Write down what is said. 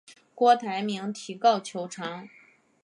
郭台铭提告求偿。